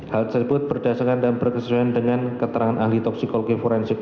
hal tersebut berdasarkan dan berkesesuaian dengan keterangan ahli toksikologi forensik